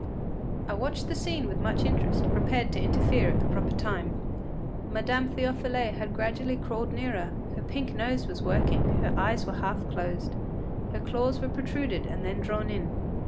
” I watched the scene with much interest, prepared to interfere at the proper time. Madame Théophile had gradually crawled nearer; her pink nose was working, her eyes were half closed, her claws were protruded and then drawn in.